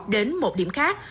đến một điểm khác